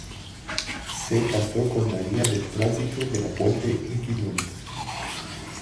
Se casó con María del Tránsito de la Puente y Quiñones.